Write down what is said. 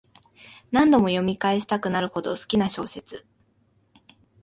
何度も読み返したくなるほど好きな小説